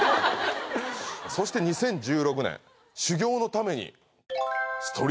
そして「２０１６年修業のために」